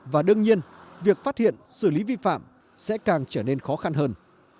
và đương nhiên việc phát hiện xử lý vi phạm sẽ càng trở nên khó khăn hơn